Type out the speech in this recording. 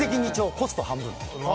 コスト半分。